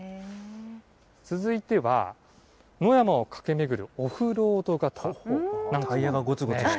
続いては、野山を駆け巡るオフロード型。